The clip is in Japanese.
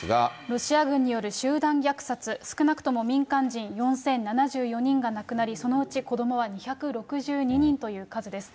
ロシア軍による集団虐殺、少なくとも民間人４０７４人が亡くなり、そのうち子どもは２６２人という数です。